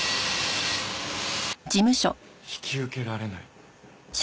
引き受けられない？